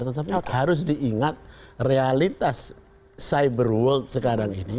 tetapi harus diingat realitas cyber world sekarang ini